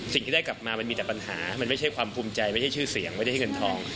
สิ่งที่ได้กลับมามันมีแต่ปัญหามันไม่ใช่ความภูมิใจไม่ใช่ชื่อเสียงไม่ใช่เงินทอง